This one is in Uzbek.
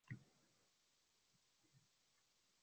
balki gnoseologik haqiqatni qanday bo‘lsa, shunday ko‘rsatuvchi